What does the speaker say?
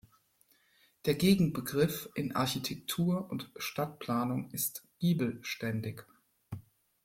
Der Gegenbegriff in Architektur und Stadtplanung ist "giebelständig.